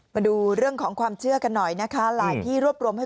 มาดูเรื่องของความเชื่อกันหน่อยนะคะหลายที่รวบรวมให้